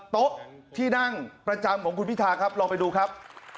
โต๊ะที่นั่งประจำของคุณพิธาครับลองไปดูครับ